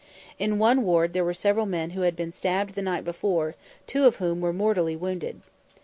In one ward there were several men who had been stabbed the night before, two of whom were mortally wounded.